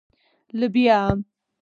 🫘 لبیا